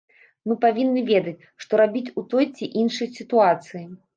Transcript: Мы павінны ведаць, што рабіць у той ці іншай сітуацыі.